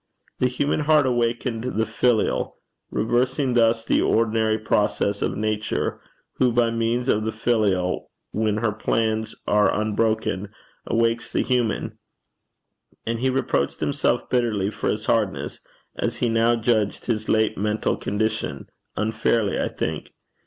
The human heart awakened the filial reversing thus the ordinary process of Nature, who by means of the filial, when her plans are unbroken, awakes the human; and he reproached himself bitterly for his hardness, as he now judged his late mental condition unfairly, I think.